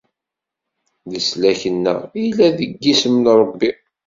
Leslak-nneɣ illa deg yisem n Rebbi.